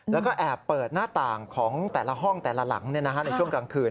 แล้วก็แอบเปิดหน้าต่างของแต่ละห้องแต่ละหลังในช่วงกลางคืน